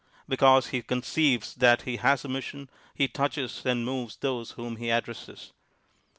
Because he conceives that he has a mission, he touches and moves those whom he addresses.